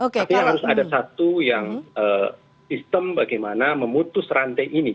tapi harus ada satu yang sistem bagaimana memutus rantai ini